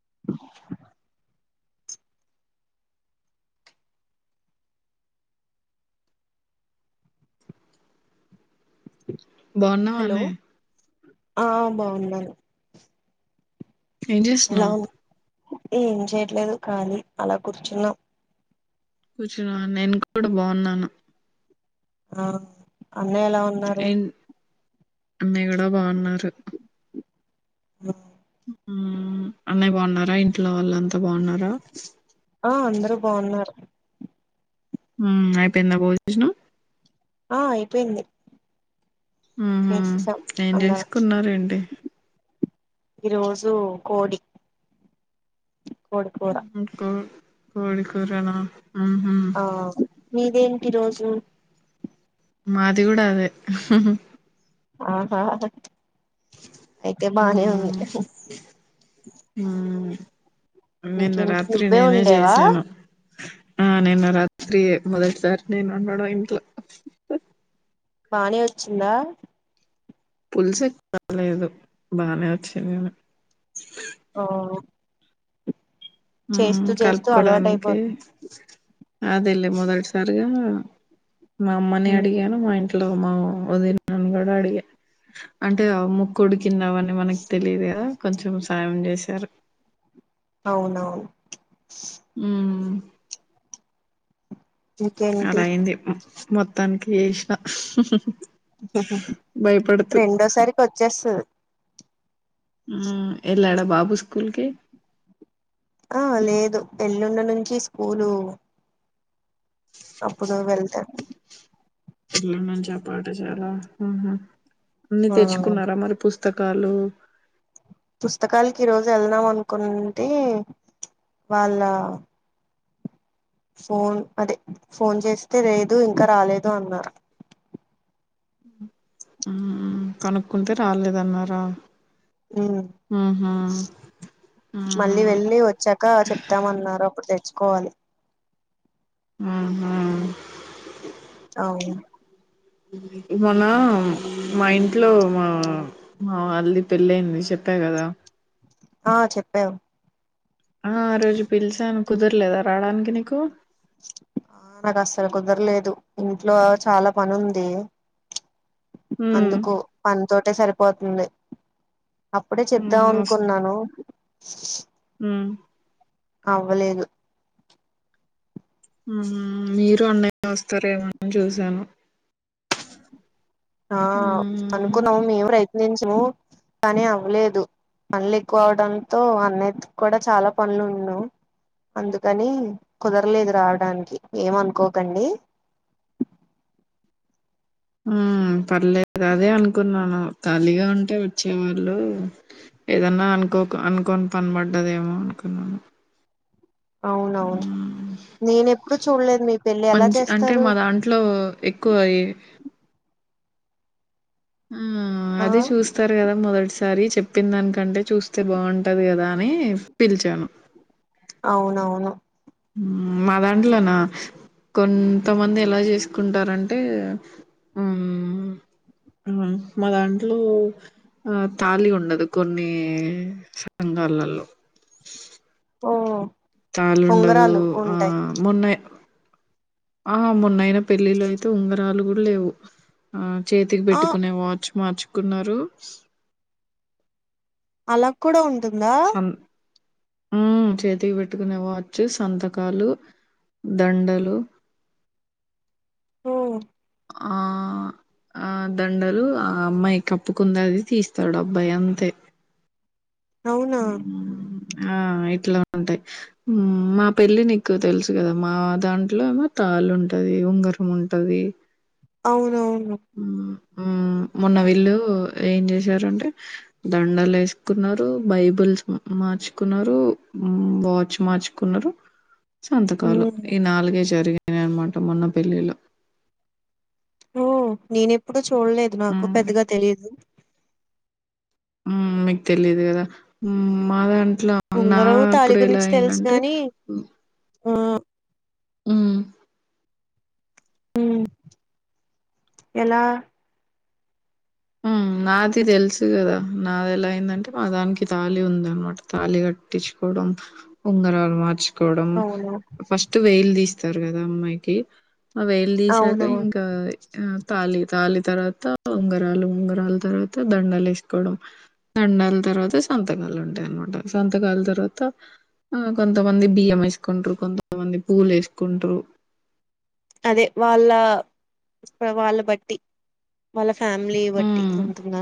[inaudible] Hello బావున్నవానే ఆ బావుండాను ఏం చేస్తున్నావ్ ఉ ఏం చేయట్లేదు ఖాళి అలా కూర్చున్నాం కూర్చున్నా నేను కూడా బాగున్నాను ఆ అన్నయ్య ఎలా ఉన్నారు ఏం అన్నయ్య కూడా బాగున్నారు ఆ హూఅన్నయ్య బాగున్నారా ఇంట్లో వాళ్ళు అంతా బాగున్నారా ఆ అందరూ బాగున్నారు హ్మ్మ్ అయిపోయిందా భోజనం ఆ అయిపోయింది మ్మ్హ. చేస్తావ్ ఏం అన్న చేసుకున్నారేంటి ఈ రోజు కోడి కోడి కూర ఉహూ కో కోడిికూరనా ఆ మీదేంటి ఈరోజు మాది కూడా అదే ఆహా అయితే బానే మ్మ్. ఉంది మ్మ్. నిన్న ఇంకేంటి రాత్రి నువ్వే నేనే ఉండేవా చేసాను ఆ నిన్న రాత్రి మొదటిసారి నిన్నున్నాడ ఇంట్లో బానే వచ్చిందా పుల్సె కాలేదు బాగానే వచ్చింది నేను ఆహ్ ఉమ్ చేస్తూ అలవాటు కలుపుకోవడానికి అయిపోతుంది అదేల్లే మొదటిసారిగా మా అమ్మని అడిగాను మా ఇంట్ ఇంట్లో మా వదినని కూడా అడిగా అంటే ముకుడి తిన్నావ అని మనకు తెలిదు కదా కొంచెం సాయం చేశారు అవునా మ్మ్ అలా ఇంకేంటి అయింది మొత్తానికి చేసిన భయపడుతూ రెండోసారికి వచ్చేస్తుది ఉమ్మ్ ఎల్లాడా బాబు స్కూల్కి ఆ లేదు ఎల్లుండి నుంచి స్కూలు అప్పుడు వెళ్తారు పిల్ల నుంచి ఆ పాట చాలా అన్ని ఆ తెచ్చుకున్నారా మరి పుస్త పుస్తకాలు పుస్తకాలకి ఈరోజు వెళ్దాం అనుకుంటే వాళ్ళ ఫోన్ అదే ఫోన్ చేస్తే లేదు ఇంకా రాలేదు అన్నారు మ్మ్ కనుక్కుంటే రాలేదన్నారా ఉమ్ హుహ్మ్ మళ్ళీ వెళ్ళి వచ్చాక చెప్తామన్నారు అప్పుడు తెచ్చుకోవాలి ఉహూ అవునండీ మన మా ఇంట్లో మా ఆ అల్లుడి పెళ్ళయింది చెప్పా కదా ఆ చెప్పావ్ ఆ ఆ రోజు పిలిచాను కుదరలేదా రావడానికి నీకు ఆ నాకు అస్సలు కుదరలేదు ఇంట్లో చాలా పని ఉంది ఉమ్ అందుకు పని తోటే సరిపోతుంది అప్పుడే చెప్త్దాం ఉమ్ అనుకున్నాను ఉం అవ్వలేదు ఉం మీరు అన్నయ వస్తారేమని చూశాను ఆ అనుకున్నాము మేము ప్రయత్నించము కానీ అవ్వలేదు పనులు ఎక్కువ అవడంతో అన్నిటి కూడా చాలా పనులు ఉన్నా అందుకని కుదరలేదు రావడానికి ఏమ అనుకోకండి ఉం పర్లేదు అదే అనుకున్నాను ఖాళీగా ఉంటే వచ్చేవాళ్ళు ఏదన్నా అను అనుకో అనుకోని పని పడదేమె అన్నుకున్నాను అవునవును నేను ఎప్పుడు చూడలేదు మీ పెళ్ళి ఎలా మంచి అంటే చేస్తారు మా దాంట్లో ఎక్కువ ఈ ఉం ఆ అదే చూస్తారు కదా మొదటిసారి చెప్పిన దానికంటే చూస్తే బాగుంటది కదా అని పిలిచాను అవునవును ఉం మా దాంట్లోనా కొంతమంది ఎలా చేసుకుంటారంటే ఉం ఉం మా దాంట్లో ఆ తాళి ఉండదు కొన్ని సంగాళ్ళల్లో ఓ తాలు ఉండదు ఉంగరాలు ఆ ఉంటాయి మొన్న ఆ హా మొన్నయిన పెళ్ళిలో అయితే ఉంగరాలు కూడా లేవు ఆ చేతికి ఆ పెట్టుకునే వాచ్ మార్చుకున్నారు అలా కూడా ఉంటుందా ఉం చేతికి పెట్టుకునే వాచ్ సంతకాలు దండలు ఓ ఆ ఆ దండలు ఆ అమ్మాయి కప్పుకుంది అది తీస్తాడు అబ్బాయి అంతే అవునా ఉం ఆ ఇట్లా ఉంటాయి మా పెళ్ళి నీకు తెలుసు కదా మా దాంట్లోను త తాళి ఉంటది ఉంగరం ఉంటది అవునవును.... ఉం మొన్న వీళ్ళు ఏం చేశారంటే దండలు వేసుకున్నారు బైబుల్స్ మార్చుకున్నరు వాచ్ మార్చుకున్నరు సంతకాలు ఉమ్ ఈ నాలుగే జరిగాయ అనమాట మొన్న పెళ్లిలో ఓ నేను ఎప్పుడు చూడలేదు నాకు హ్మ్. పెద్దగా తెలియదు ఉం మీకు తెలియదు కదా మాది అం అట్లా అన్న ఉంగరం తాళి అప్పుడు ఎలా గురించి తెలుసు అయిందంటే గాని ఆ ఉం ఉం ఎలా ఉం నాది తెలుసు కదా నాది ఎలా అయిందంటే మా దానికి తాళి ఉంది అనమాట తాళి కట్టించుకోడం ఉంగరాలు మార్చు కోడం అవును ఫస్ట్ వేయిల్ తీస్తారు కదా అమ్మాయికి ఆ వేలు తీశాక అవునవును ఇంకా తాళి తాళి తర్వాత ఉంగ రాలు ఉంగరాల తర్వాత దండలు వేసుకోవడం దండలు తర్వాత సంతకాలు ఉంటాయినమాట సంతకాల తర్వాత ఆ కొంతమంది బియ్యం వేసుకుంటారు కొంతమంది పూలు వేసుకుంటారు అదే వాళ్ళ వాళ్ళ బట్టి వాళ్ళ ఫ్యామిలీ బట్టి ఉమ్ ఉంటుంద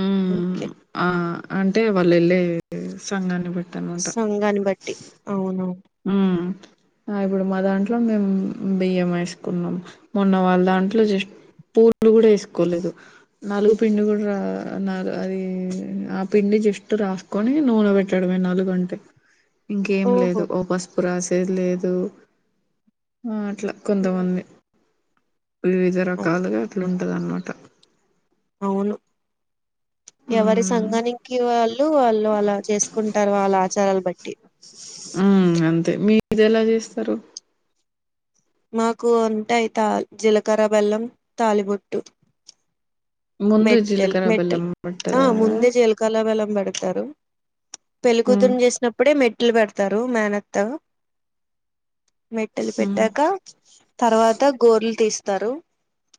ఉమ్ ఓకే ఆ అంటే వాళ్ళు వెళ్ళే సంఘాన్ని బట్టి ఇదన్న మాట సంఘాన్ని బట్టి అవునవును ఊ ఆ ఇప్పుడు మా దాంట్లో మేము బియ్యం వేసుకున్నాం మొన్న వాళ్ళ దాంట్లో జస్ట్ పూలు కూడా వేసుకోలేదు నలుగు పిండి కూడా రా న అది ఆ పిండి జస్ట్ రాసుకొని నూనే.. పెట్టడమే నాలుగుగంటే ఇంకేం ఓహో లేదు ఓ పసుపు రాసేది లేదు ఆ అట్లా హ్మ్. కొంతమంది వివిధ అదే రకాలుగా అట్లుంటది అన్నమాట అవును ఎవరి హ్మ్ సంఘనికి వాళ్ళు వాళ్ళు అలా చేసుకుంటరు వాళ్ళ ఆచారాలు బట్టి ఆ అంతే మీది ఎలా చేస్తారు మాకు ఉంటాయి తా జీలకర్ర బెల్లం తాలిబొట్టు ముందు మెట్టెల్ జీలకర్ర మెట్టల్ బెల్లం ఆ పట్టదా ముందే జీలకర్ర బెల్లం పెడతారు హ్మ్ పెళ్లికూతురు చేసినప్పుడే మెట్లు పెడతారు మేనత్త మెట్టలు హ్మ్ పెట్టాక తర్వాత గోర్లు తీస్తరు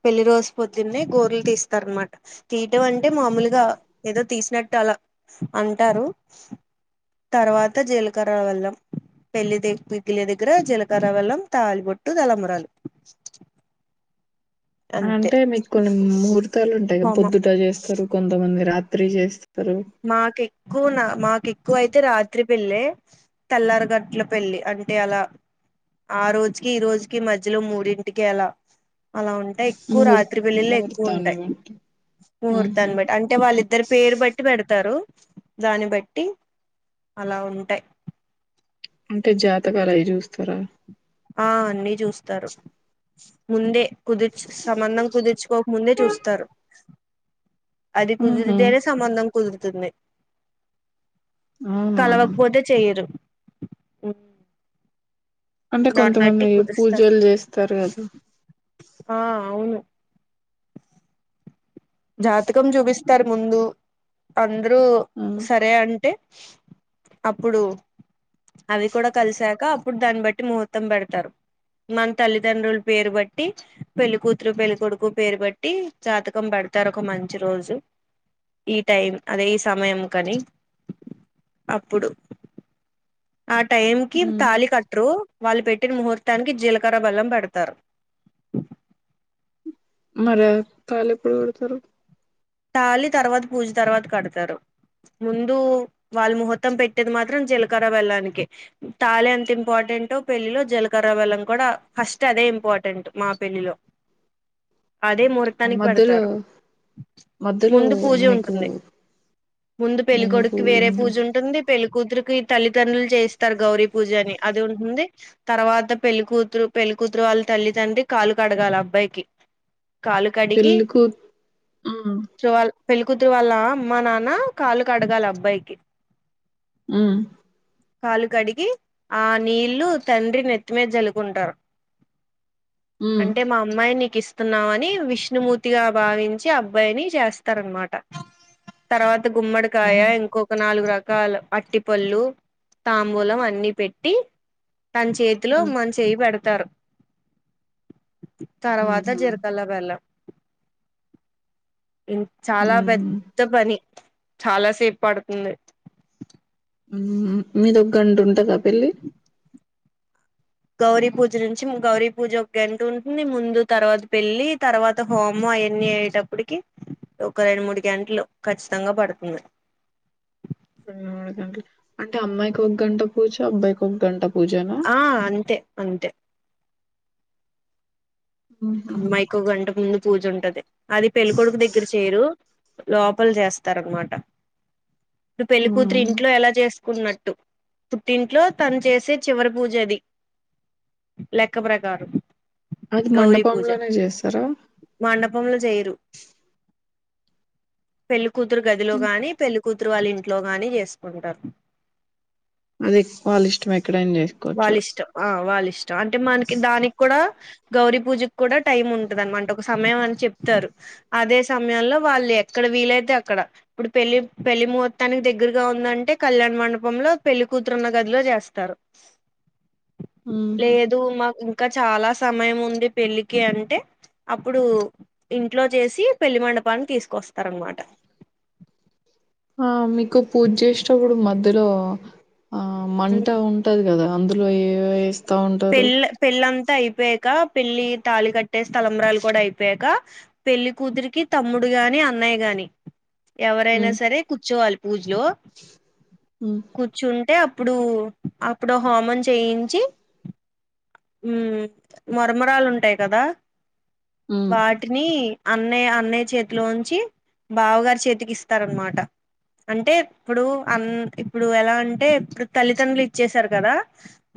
పెళ్లి రోజు పొద్దున్న గోర్లు తీస్తారునమాట తీయడం అంటే మామూలుగా ఏదో తీసినట్టు అలా అంటారు తర్వాత జీలకర్ర బెల్లం పెళ్లి పిగిలి దగ్గర జీలకర్ర బెల్లం తాలిబొట్టు తలంబ్రాలు [inaudible] అంటే మీకు కొన్ని ముహూర్తాలు ఉంటాయి కదా హోమం పొద్దుట చేస్తారు కొంతమంది రాత్రి చేస్తారు మాకి ఎక్కునా మాకి ఎక్కువైతే రాత్రి పెళ్ళి తెల్లారు గంటల పెళ్లి అంటే అలా ఆ రోజుకి ఈ రోజుకి మధ్యలో మూడింటికి ఎలా అలా ఉంటాయి ఎక్కువ ముహూర్ రాత్రి పెళ్లిళ్లు ఎక్కువ ముహూర్తాన్ని ఉంటాయి బట్టి ఊహు ముహూర్తాన్ని బట్టి అంటే వాళ్ళిద్దరు పేరు బట్టి పెడతారు దాన్ని బట్టి అలా ఉంటాయి అంటే జాతకాలు అవి చూస్తారా ఆ అన్ని చూస్తారు ముందే కుదుర్చు సంబంధం కుదిర్చుకోకముందే చూస్తారు అది ఊహు కుదిరితేనే సంబంధం కుదురుతుంది అవునా కలవపోతే చెయరు అంటే దాన్ని బట్టి కొంతమంది కుదుస్తారు పూజలు చేస్తారు కదా ఆ అవును జాతకం చూపిస్తారు ముందు అందరూ ఆ సరే అంటే అప్పుడు అవి కూడా కలిసాక అప్పుడు దాన్ని బట్టి ముహూర్తం పెడతారు మన తల్లిదండ్రుల పేరు బట్టి పెళ్లికూతురు పెళ్లికొడుకు పేరు బట్టి జాతకం పెడతారు ఒక మంచి రోజు ఈ టైం అదే ఈ సమయం కని అప్పుడు ఆ టైం కి ఉమ్ తాళి కట్టరు వాళ్ళు పెట్టిన ముహూర్తానికి జీలకర్ర బెల్లం పెడతారు మరి తాళి ఎప్పుడు కడతారు తాలి తర్వాత పూజ తర్వాత కడతారు ముందు వాళ్ళు ముహూర్తం పెట్టేది మాత్రం జీలకర్ర బెల్లానికి తాలి అంత ఇంపార్టెంట్ ఇంపార్టెంట్ పెళ్ళలిలో జీలకర్ర బెల్లం కూడా ఫస్ట్ అదే ఇంపార్టెంట్ మా పెళ్లిలో [inaudible] అదే ఆ ముహూర్తానికి మధ్యలో పెడతారు మధ్యలో ముందు పూజ మీకు ఉంటుంది ముందు పెళ్ళికొడుకి వేరే పూజ ఉంటుంది పె పెళ్లికూతురుకి తల్లిదండ్రులు చేస్తారు గౌరీ పూజ అని అది ఉంటుంది తర్వాత పెళ్లికూతురు పెళ్ళకూతురు వాళ్ళు తల్లి తండ్రి కాలు కడగాలలి అబ్బాయికి [inaudible] కాలు కడిగి పెళ్ళికూ ఉమ్ చవాల పెళ్ళ కూతురు వాళ్ళ అమ్మా నాన్న కాళ్లు క అడగాలి అబ్బాయికి హూ కాలు కడిగి ఆ నీళ్లు తండ్రి నెత్తిమేద జలుకుంటారు ఉమ్ అంటే మా అమ్మాయి నీకు ఇస్తున్నావ అని విష్ణుమూర్తిగా భావించ చ్చి అబ్బాయిని చేస్తారనమాట తర్వాత గుమ్మడికాయ ఇంకొక నాలుగు రక ల అరటిపళ్ళు తాంబూలం అన్ని పెట్టి తన చేతిలో ఉమ్ మ చేయి పెడతారు ఉమ్ తర్వాత ఉమ్ జరకాల బెల్లం ఇం చాలా ఉమ్ పెద్ద పని చాలాసేపు పడుతుంది మీదొ గంట ఉంటందా పెళ్లి గౌరీ పూజ నుంచి గౌరీ పూజ ఒక గంట ఉంటుంది ముందు తర్వాత పెళ్ళలి తర్వాత హోమ ఎన్ని అయ్యేటప్పటికి ఒక రెండు మూడు గంటలు కఖచ్చితంగా పడుతుంది మూడు గంటలు అంటే అమ్మాయికి ఒక గంట పోచు అబ్బాయికి ఒక గంట పూజనా ఆ అంతే అంతే ఉహు అమ్మాయికి గంట ముందు పూజ ఉంటది అది పెళ్ళికొడుకు దగ్గర చేయరు లోపల చేస్తార అనమాట ఇప్పుడు పెళ్లికూతురు ఉమ్ ఇంట్లో ఎలా చేస్త కున్నట్టు పుట్తింట్లో తను చేసే చివరి పూజది లెక్క ప్రకారం అది గౌరీ మండప పూజ మండపముంలో చేయరు పెళ్లి కూతురు గదిలో మ్. గాని పెళ్లికూతురు పత్ర వాళ్ళు ఇంట్లో గాని చేసుకుంటారు అది వాల ఇష్టం ఎక్కడైనా చేసుకోవచ్చు వాల ఇష్టం అంటే మనకి దానికి కూడా గౌరీ పూజ కూడా టైమ్ ఉంటందినమాట ఒక సమయం అని చెప్తారు అదే సమయంలో వాళ్ళు ఎక్కడ వీలైతే అక్కడ ఇప్పుడు పెళ్లి పెళ్లి ముహూర్తానికి దగ్గరగా ఉందంటే కళ్యాణ్ మండపంలో పెళ్లి కూతురున్న గదిలో వస్తారు [inaudible] ఉహు లేదు మాకు ఇంకా చాలా సమయం ఉంది పెళ్ళికి అంటే అప్పుడు ఇంట్లో చేసి పెళ్లి మండపాన్ని తీసుకొస్తార అనమాట [unintelligible] ఆ మీకు పూజ చేసేటప్పుడు మధ్యలో ఆ మంట ఉంటది కదా అందులో ఏ పెళ్లి పెళ్లంతా అయిపోయాక పెళ్ళలి తాళి కట్టే స్లంబరాలు కూడా అయిపోయాక పెళ్లి కూతురికి తమ్ముడు గాని అన్నయ్య గాని ఎవరైనా ఉమ్ సరే కూర్చోవాలి పూజలో ఉమ్ కూర్చుంటేప్పు ఇప్పుడు అప్పుడు హోమం చేయించి ఉ మరమరాలు ఉంటాయి కదా ఉమ్ వాటిని అన్నయ్య అన్నయ్య చేతిలోంచి బావగారు చేతికి ఇస్తారనమాట అంటే ఇప్పుడు అన్ ఇప్పుడు ఎలా అంటే ఇప్పుడు తల్లిదండ్రులు ఇచ్చసారు కదా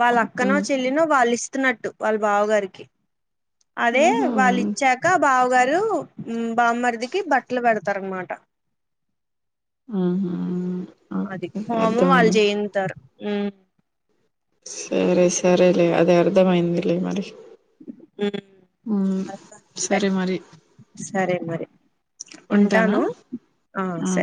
వాళ్ళ అక్కను ఉమ్ వాళ్ళు ఇస్తున్నట్టు వాళ్ళ బావ గారికి అదే ఉహు వాళ్ళు ఇచ్చాక బావ గారి బామ్మమరిదికి బట్టలు పెడతారు అనమాట ఉహు అది ఓకే హోమ వాళ్ళు అర్థమైంది చేయితారు మ్ సరే సరేలే అదే అర్థమైందిలే మరి మ్మ్ మ్ అలా సరే మరి సరే మరి ఉంటాను ఆ